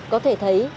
có thể thấy